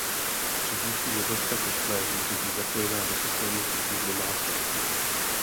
Řídicí jednotka kotle může být zapojena do systémů chytrých domácností.